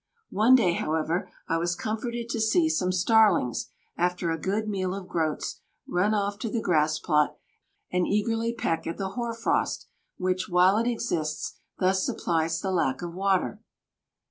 One day, however, I was comforted to see some starlings, after a good meal of groats, run off to the grass plot and eagerly peck at the hoar frost, which, while it exists, thus supplies the lack of water.